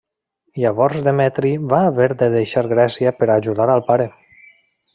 Llavors Demetri va haver de deixar Grècia per ajudar al pare.